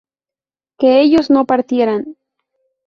¿que ellos no partieran?